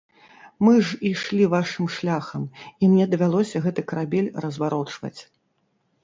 Мы ж ішлі вашым шляхам, і мне давялося гэты карабель разварочваць.